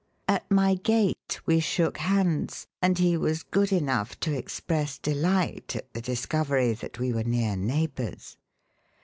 At my gate we shook hands, and he was good enough to express delight at the discovery that we were near neighbours.